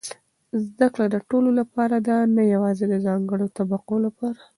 زده کړه د ټولو لپاره ده، نه یوازې د ځانګړو طبقو لپاره.